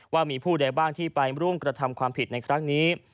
ว่ามีผู้ใดบ้างที่ไปร่วมกระทำความผิดในครั้งนี้